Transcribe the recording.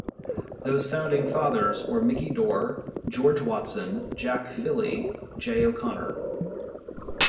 Those founding fathers were Micky Dore, George Watson, Jack Fihelly, J O'Connor.